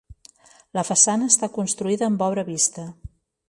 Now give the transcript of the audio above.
La façana està construïda amb obra vista.